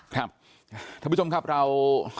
ท่านผู้ชมครับเรา